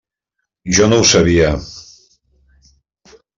Jo no ho sabia.